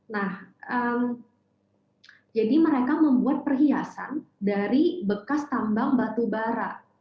nah jadi mereka membuat perhiasan dari bekas tambang batu bara